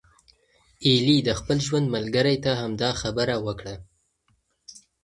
ایلي د خپل ژوند ملګری ته همدا خبره وکړه.